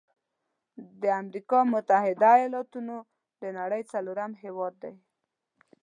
د امريکا متحده ایلاتونو د نړۍ څلورم لوی هیواد دی.